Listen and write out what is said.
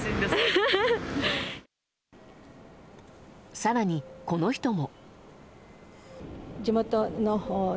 更に、この人も。